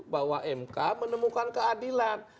bahwa mk menemukan keadilan